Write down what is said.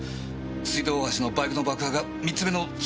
水道大橋のバイクの爆破が３つ目のヒントだって。